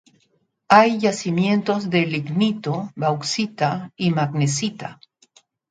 Hay yacimientos de lignito, bauxita y magnesita.